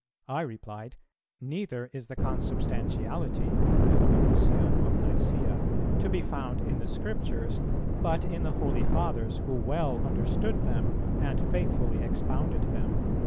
I replied, 'Neither is the Consubstantiality,'" (the Homoüsion of Nicæa,) "'to be found in the Scriptures, but in the Holy Fathers who well understood them and faithfully expounded them.'"